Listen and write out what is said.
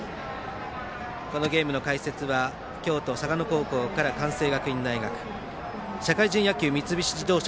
このゲームの解説は京都・嵯峨野高校から関西学院大学社会人野球、三菱自動車